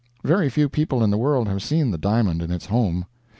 Very few people in the world have seen the diamond in its home.